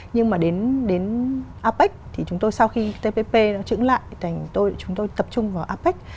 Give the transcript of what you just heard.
nhưng mà đến apec thì chúng tôi sau khi tpp nó trứng lại chúng tôi tập trung vào apec